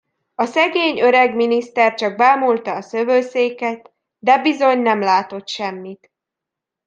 A szegény öreg miniszter csak bámulta a szövőszéket; de bizony nem látott semmit.